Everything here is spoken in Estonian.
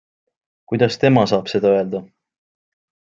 Kuidas tema saab seda öelda?